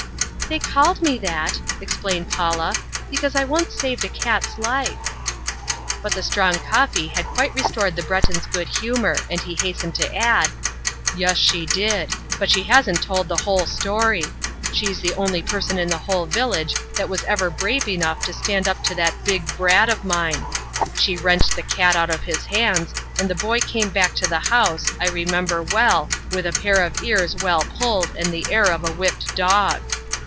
"They called me that," explained Paula, "because I once saved a cat's life." But the strong coffee had quite restored the Breton's good humor and he hastened to add, "Yes, she did; but she hasn't told the whole story! She's the only person in the whole village that was ever brave enough to stand up to that big brat of mine. She wrenched the cat out of his hands, and the boy came back to the house, I remember well, with a pair of ears well pulled and the air of a whipped dog."